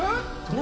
何？